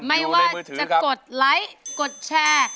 ไม่ว่าจะกดไลค์กดแชร์